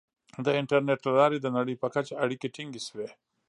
• د انټرنیټ له لارې د نړۍ په کچه اړیکې ټینګې شوې.